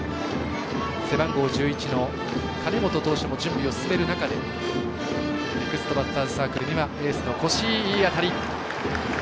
背番号１１の金本投手も準備を進める中でネクストバッターズサークルにはエースの越井。